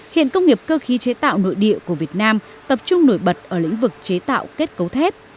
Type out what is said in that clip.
hiện công nghiệp cơ khí chế tạo nội địa của việt nam tập trung nổi bật ở lĩnh vực chế tạo kết cấu thép